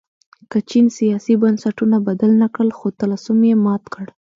که چین سیاسي بنسټونه بدل نه کړل خو طلسم یې مات کړ.